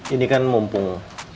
ini kan mumpung